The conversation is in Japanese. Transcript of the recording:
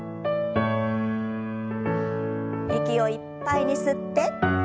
息をいっぱいに吸って。